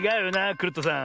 クルットさん。